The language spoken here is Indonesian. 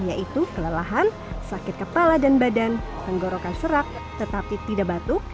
yaitu kelelahan sakit kepala dan badan tenggorokan serak tetapi tidak batuk